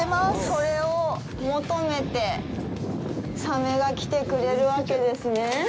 これを求めてサメが来てくれるわけですね。